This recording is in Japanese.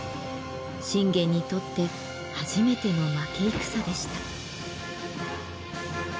信玄にとって初めての負け戦でした。